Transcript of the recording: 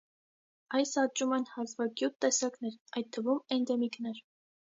Այս աճում են հազվագյուտ տեսակներ, այդ թվում՝ էնդեմիկներ։